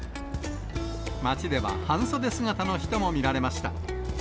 街では半袖姿の人も見られました。